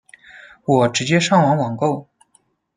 我直接上网网购